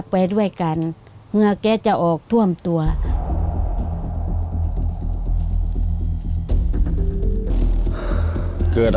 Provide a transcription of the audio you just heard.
พอแดดออกเหมือนจะเป็นลมหน้ามืด